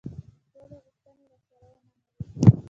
ټولې غوښتنې یې راسره ومنلې.